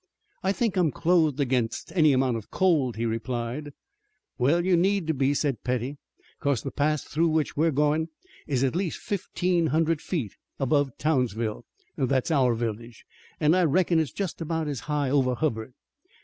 "I think I'm clothed against any amount of cold," he replied. "Well, you need to be," said Petty, "'cause the pass through which we're goin' is at least fifteen hundred feet above Townsville that's our village an' I reckon it's just 'bout as high over Hubbard.